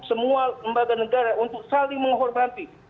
semua lembaga negara untuk saling menghormati